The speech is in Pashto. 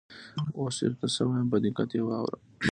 اوس چې درته څه وایم په دقت یې واوره.